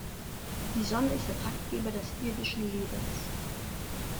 Die Sonne ist der Taktgeber des irdischen Lebens.